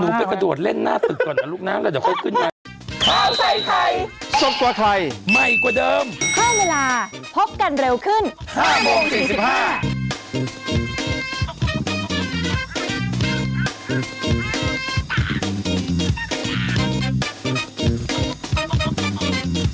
หนูไปกระดวดเล่นหน้าตึกก่อนนะลูกน้ำแล้วเดี๋ยวเข้าขึ้นมา